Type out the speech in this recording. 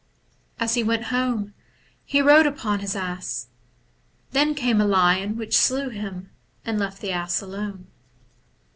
As he went home he rode upon his ass. Then came a lion which slew him and left the ass alone.